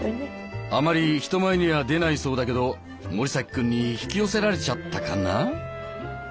あまり人前には出ないそうだけど森崎くんに引き寄せられちゃったかな？